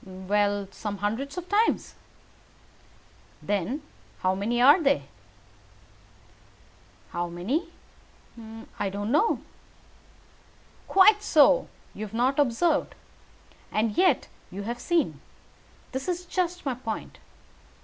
"Well, some hundreds of times." "Then how many are there?" "How many? I don't know." "Quite so! You have not observed. And yet you have seen. That is just my point.